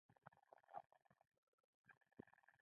کتاب د ذهن قوت زیاتوي.